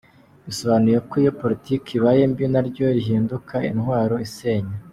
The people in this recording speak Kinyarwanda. Bisobanuye ko iyo politiki ibaye mbi naryo rihinduka intwaro isenya.